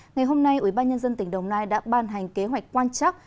ngày hôm nay ủy ban nhân dân tỉnh đồng nai đã ban hành kế hoạch quan chắc